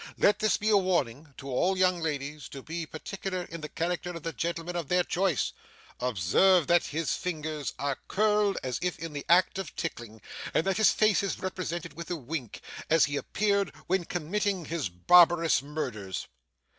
Let this be a warning to all young ladies to be particular in the character of the gentlemen of their choice. Observe that his fingers are curled as if in the act of tickling, and that his face is represented with a wink, as he appeared when committing his barbarous murders.